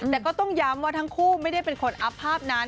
แต่ก็ต้องย้ำว่าทั้งคู่ไม่ได้เป็นคนอัพภาพนั้น